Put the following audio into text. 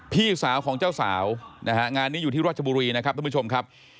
พี่สาวของเจ้าสาวนะฮะงานนี้อยู่ที่ราชบุรีนะครับท่านผู้ชมครับ